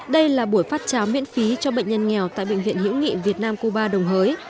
đây là buổi phát cháo miễn phí cho bệnh nhân nghèo tại bệnh viện hiểu nghị việt nam cuba đồng hới